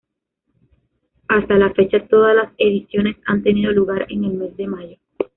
Hasta la fecha, todas las ediciones han tenido lugar en el mes de mayo.